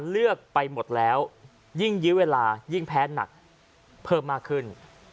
เลือกไปหมดแล้วยิ่งยื้อเวลายิ่งแพ้หนักเพิ่มมากขึ้น